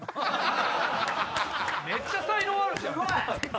めっちゃ才能あるじゃん！